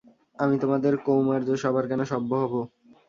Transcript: আমি তোমাদের কৌমার্যসভার কেন সভ্য না হব?